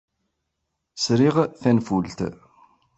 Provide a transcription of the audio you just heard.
Sriɣ tanfult.